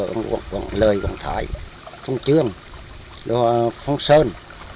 hoặc lời hoặc thoại không chương không sơn